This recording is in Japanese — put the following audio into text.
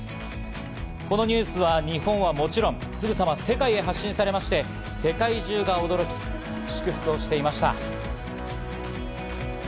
このニュースは日本はもちろんすぐさま世界に発信されまして世界中が驚き、祝福をしていました。